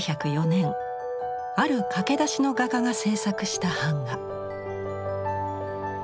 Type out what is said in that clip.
１９０４年ある駆け出しの画家が制作した版画。